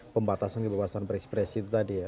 pembatasan kebebasan berekspresi itu tadi ya